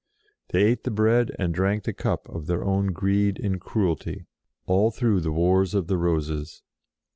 They ate the bread and drank the cup of their own greed and cruelty all through the Wars of the Roses.